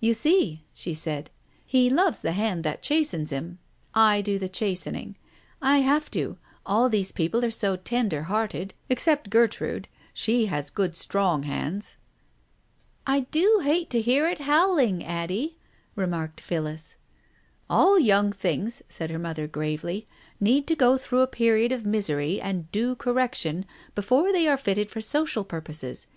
"You see," she said. "He loves the hand that chastens him. I do the chastening. I have to, all these people are so tender hearted, except Gertrude — she has good strong hands." " I do hate to hear it howling, Addie," remarked Phillis. "All young things," said her mother, gravely, "need to go through a period of misery and due correction before they are fitted for social purposes.